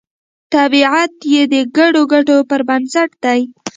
طبیعت یې د ګډو ګټو پر بنسټ دی